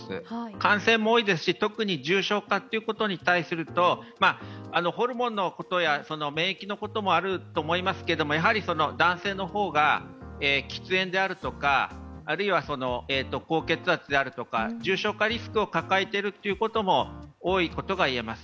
感染も多いですし、特に重症化ということに対するとホルモンのことや免疫のこともあると思いますけどやはり男性の方が喫煙であるとか、高血圧であるとか重症化リスクを抱えていることも多いことが言えます。